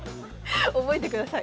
覚えてください。